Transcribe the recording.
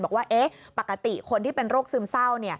บอกว่าปกติคนที่เป็นโรคซึมเศร้า